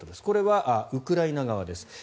これはウクライナ側です。